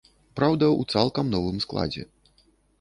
Праўда, у цалкам новым складзе.